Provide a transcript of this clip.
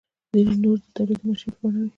ځینې نور د تولیدي ماشین په بڼه وي.